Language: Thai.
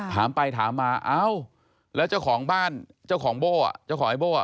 ถามไปถามมาแล้วเจ้าของบ้านเจ้าของไอ้โบ่